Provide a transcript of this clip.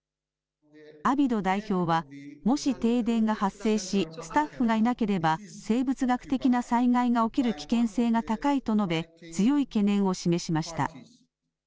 アビド代表はもし停電が発生しスタッフがいなければ生物学的な災害が起きる危険性が高いと述べ強い懸念を示しました。